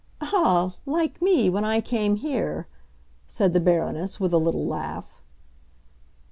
"Ah, like me, when I came here!" said the Baroness, with a little laugh.